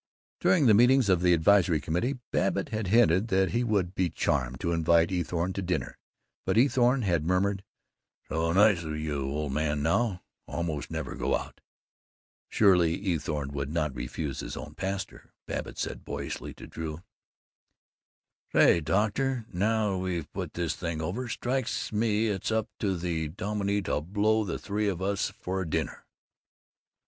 During the meetings of the Advisory Committee, Babbitt had hinted that he would be charmed to invite Eathorne to dinner, but Eathorne had murmured, "So nice of you old man, now almost never go out." Surely Eathorne would not refuse his own pastor. Babbitt said boyishly to Drew: "Say, doctor, now we've put this thing over, strikes me it's up to the dominie to blow the three of us to a dinner!"